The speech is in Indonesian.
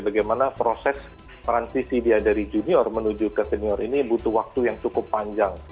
bagaimana proses transisi dia dari junior menuju ke senior ini butuh waktu yang cukup panjang